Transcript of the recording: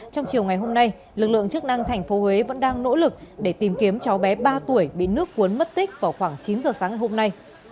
trong chiều ngày hôm nay lực lượng chức năng tp huế vẫn đang nỗ lực để tìm kiếm cháu bé ba tuổi bị nước cuốn mất tích vào khoảng chín giờ sáng ngày hôm nay